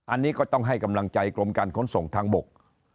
อันนี้ก็ต้องให้กำลังใจกรมการขนส่งทางบก